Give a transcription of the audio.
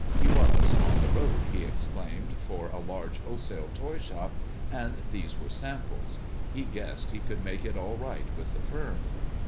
He was "on the road," he explained, for a large wholesale toy shop, and these were samples. He guessed he could make it all right with the firm.